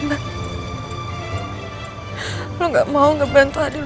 kamu yang udah bikin nama suami aku tuh jadi jelek